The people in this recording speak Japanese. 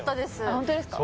ホントですか？